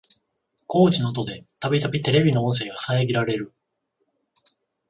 工事の音でたびたびテレビの音声が遮られる